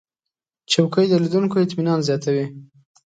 چوکۍ د لیدونکو اطمینان زیاتوي.